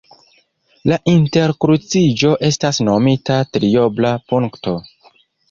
La interkruciĝo estas nomita triobla punkto.